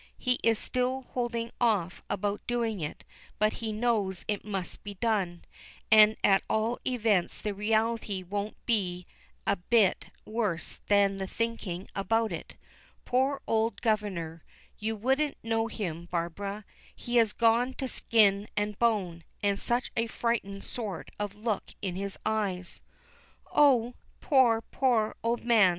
"He is still holding off about doing it, but he knows it must be done, and at all events the reality won't be a bit worse than the thinking about it. Poor old Governor! You wouldn't know him, Barbara. He has gone to skin and bone, and such a frightened sort of look in his eyes." "Oh! poor, poor old man!"